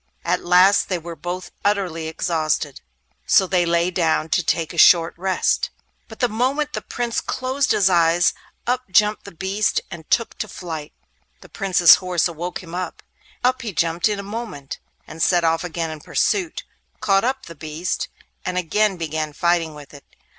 At last they were both utterly exhausted, so they lay down to take a short rest. But the moment the Prince closed his eyes, up jumped the beast and took to flight. The Prince's horse awoke him; up he jumped in a moment, and set off again in pursuit, caught up the beast, and again began fighting with it.